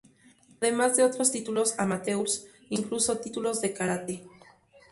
Además de otros títulos amateurs, incluso títulos de karate.